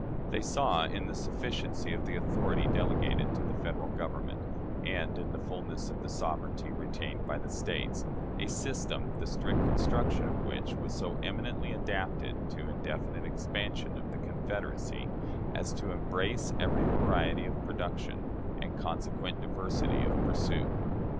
They saw, in the sufficiency of the authority delegated to the Federal Government and in the fullness of the sovereignty retained by the States, a system the strict construction of which was so eminently adapted to indefinite expansion of the confederacy as to embrace every variety of production and consequent diversity of pursuit.